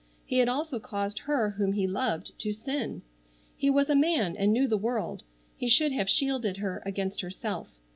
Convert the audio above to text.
He had also caused her whom he loved to sin. He was a man and knew the world. He should have shielded her against herself.